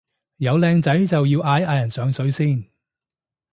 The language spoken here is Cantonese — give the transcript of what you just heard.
有靚仔就要嗌一嗌人上水先